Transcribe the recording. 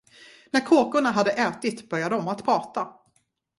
När kråkorna hade ätit, började de att prata.